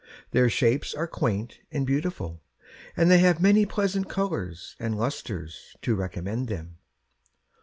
Their shapes are quaint and beautiful, And they have many pleasant colours and lustres To recommend them.